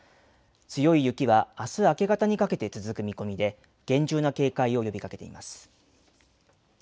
強い雪は明日明け方にかけて続く見込みで厳重な警戒を呼びかけています。